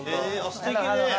すてきね。